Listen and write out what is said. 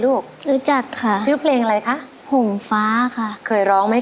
โปรดติดตามต่อไป